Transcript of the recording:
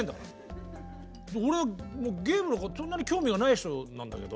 俺ゲームなんかそんなに興味がない人なんだけど。